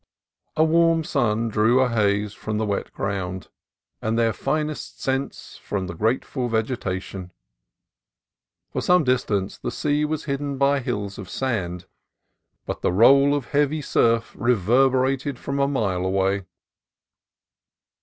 A warm sun drew a haze from the wet ground and their finest scents from the grateful vegetation. For some dis tance the sea was hidden by hills of sand, but the roll of heavy surf reverberated from a mile away.